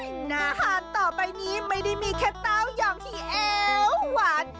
อาหารต่อไปนี้ไม่ได้มีแค่เต้ายองที่เอวหวาน